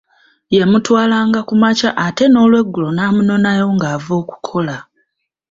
Yamutwalanga ku makya ate n’olweggulo n’amunonayo ng’ava okukola.